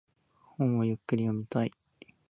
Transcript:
本をゆっくり読みたい。